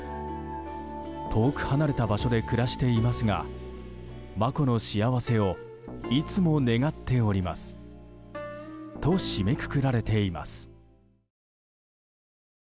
遠く離れた場所で暮らしていますが眞子の幸せをいつも願っておりますと締めくくられています。